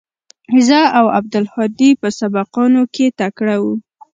زه او عبدالهادي په سبقانو کښې تکړه وو.